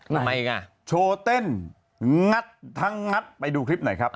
ทำไมอ่ะโชว์เต้นงัดทั้งงัดไปดูคลิปหน่อยครับ